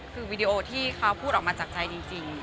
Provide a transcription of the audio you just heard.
คือวีดีโอที่เขาพูดออกมาจากใจจริง